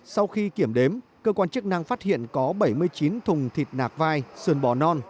sau khi kiểm đếm cơ quan chức năng phát hiện có bảy mươi chín thùng thịt nạc vai sườn bò non